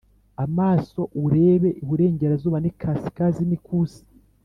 Amaso urebe iburengerazuba n ikasikazi n ikusi